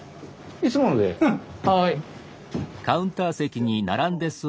はい。